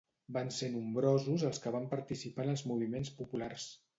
Van ser nombrosos els que van participar en els moviments populars.